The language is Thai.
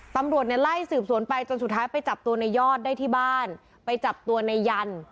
ตำรวจเนี่ยไล่สืบสวนไปจนสุดท้ายไปจับตัวในยอดได้ที่บ้านไปจับตัวในยัน